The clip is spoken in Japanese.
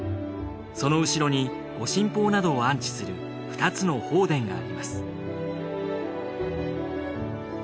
その後ろに御神宝などを安置する２つの宝殿があります